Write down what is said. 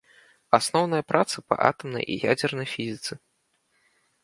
Асноўныя працы па атамнай і ядзернай фізіцы.